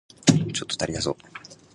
ちょっと足りなそう